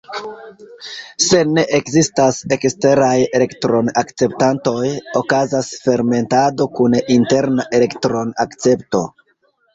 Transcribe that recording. Se ne ekzistas eksteraj elektron-akceptantoj, okazas fermentado kun interna elektron-akcepto.